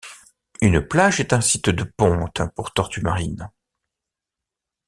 Une plage est un site de ponte pour tortues marines.